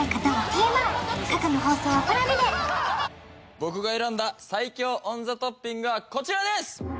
僕が選んだ最強オンザトッピングはこちらです